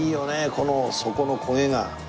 この底の焦げが。